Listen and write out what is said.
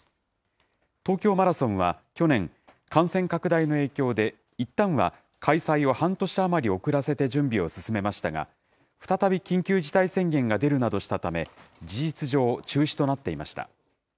東京マラソンは去年、感染拡大の影響でいったんは開催を半年余り遅らせて準備を進めましたが、再び緊急事態宣言が出るなどしたため、事実上、中止となっていました。